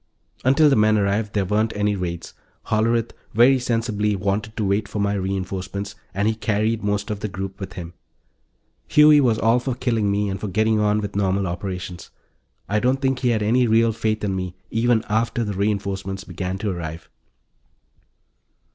Until the men arrived, there weren't any raids; Hollerith, very sensibly, wanted to wait for my reinforcements, and he carried most of the group with him. Huey was all for killing me and getting on with normal operations; I don't think he had any real faith in me even after the reinforcements began to arrive.